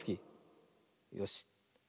よし。